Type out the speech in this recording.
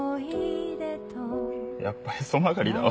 やっぱへそ曲がりだわ。